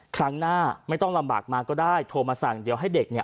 ครั้งหน้าไม่ต้องลำบากมาก็ได้โทรมาสั่งเดี๋ยวให้เด็กเนี่ย